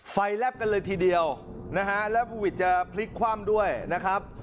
ฟัยแลบกันเลยทีเดียวนะฮะแล้วอุวิธย์จะพลิกความด้วยนะครับ